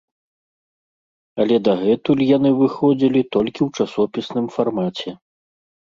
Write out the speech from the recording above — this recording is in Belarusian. Але дагэтуль яны выходзілі толькі ў часопісным фармаце.